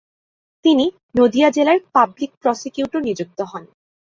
তিনি নদীয়া জেলার public prosecutor নিযুক্ত হন।